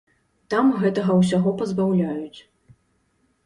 Там гэтага ўсяго пазбаўляюць.